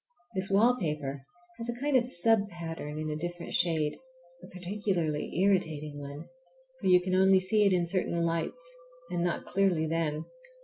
This wallpaper has a kind of sub pattern in a different shade, a particularly irritating one, for you can only see it in certain lights, and not clearly then.